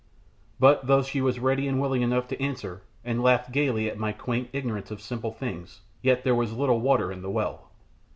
But though she was ready and willing enough to answer, and laughed gaily at my quaint ignorance of simple things, yet there was little water in the well.